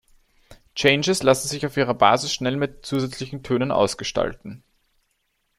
Changes, lassen sich auf ihrer Basis schnell mit zusätzlichen Tönen ausgestalten.